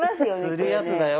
つるやつだよ